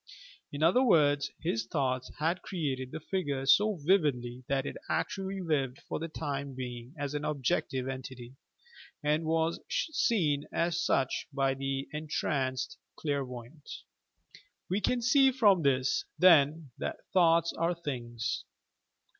In other words: his thoughts had created the figure so vividly that it actually lived for the time being as an objective entity, and was seen as such by the entranced clairvoyant. We can see from this, then, that "thoughts are things."